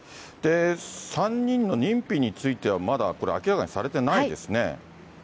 ３人の認否についてはまだこれ、明らかにされてないですね。